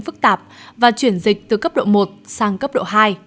phức tạp và chuyển dịch từ cấp độ một sang cấp độ hai